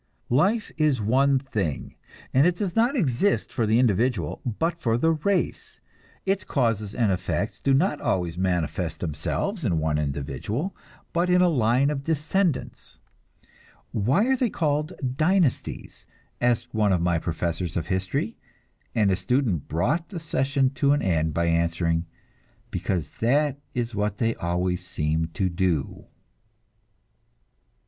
Life is one thing, and it does not exist for the individual, but for the race; its causes and effects do not always manifest themselves in one individual, but in a line of descendants. "Why are they called dynasties?" asked one of my professors of history; and a student brought the session to an end by answering: "Because that is what they always seem to do!"